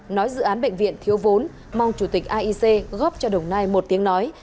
nói dự án bệnh viện thiếu vốn mong chủ tịch aic góp cho đồng nai một tiếng nói